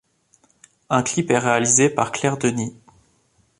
Un clip est réalisé par Claire Denis.